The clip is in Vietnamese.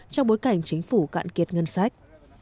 trong bối cảnh chính phủ cạn kiệt ngân sách